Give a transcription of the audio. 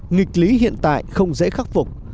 nghịch lý hiện tại không dễ khắc phục